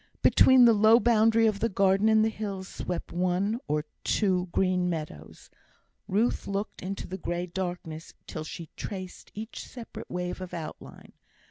Between the low boundary of the garden and the hills swept one or two green meadows; Ruth looked into the grey darkness till she traced each separate wave of outline.